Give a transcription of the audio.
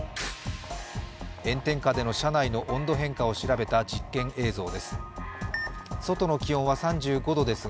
炎天下での車内の温度変化を調べた実験映像です。